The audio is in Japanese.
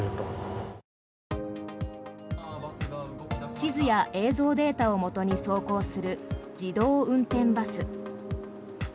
地図や映像データをもとに走行する自動運転バス。